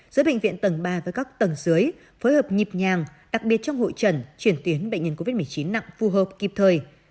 giữa bệnh viện tầng ba với các tầng dưới phối hợp nhịp nhàng đặc biệt trong hội trận chuyển chuyển tuyến bệnh nhân covid một mươi chín nặng phù hợp kịp thời